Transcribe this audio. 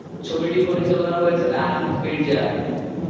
ছবিটি পরিচালনা করেছেন আজিজ মির্জা।